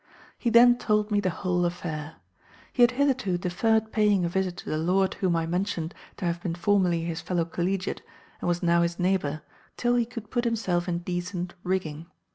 "He then told me the whole affair. He had hitherto deferred paying a visit to the lord whom I mentioned to have been formerly his fellow collegiate, and was now his neighbour, till he could put himself in decent rigging.